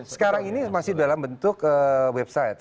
sekarang ini masih dalam bentuk website